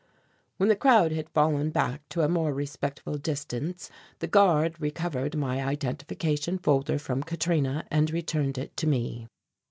When the crowd had fallen back to a more respectful distance, the guard recovered my identification folder from Katrina and returned it to me.